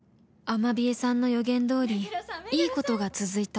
アマビエさんの予言どおりいい事が続いた